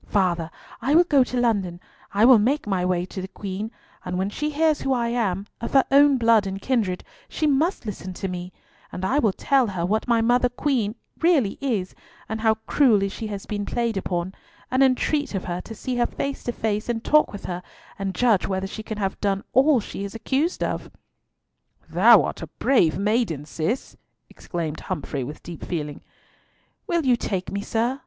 Father, I will go to London, I will make my way to the Queen, and when she hears who I am—of her own blood and kindred—she must listen to me; and I will tell her what my mother Queen really is, and how cruelly she has been played upon, and entreat of her to see her face to face and talk with her, and judge whether she can have done all she is accused of." "Thou art a brave maiden, Cis," exclaimed Humfrey with deep feeling. "Will you take me, sir?"